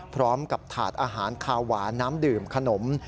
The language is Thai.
พร้อมกับถาดอาหารคาวหวานน้ำดื่มขนม